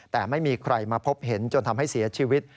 แต่ไม่มีใครมาพบเห็นจนทำให้เสียชีวิต